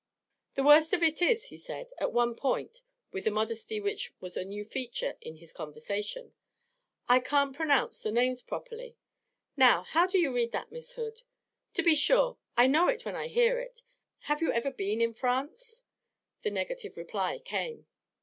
'The worst of it is,' he said, at one point, with a modesty which was a new feature in his conversation, 'I can't pronounce the names properly. Now, how do you read that, Miss Hood? To be sure; I know it when I hear it. Have you ever been in France?' The negative reply came.